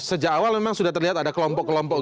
sejak awal memang sudah terlihat ada kelompok kelompok